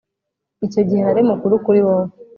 icyo gihe nari mukuru kuri wowe.